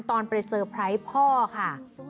ตอนไปสเปรสท์พ่อค่ะ